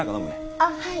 あっはい。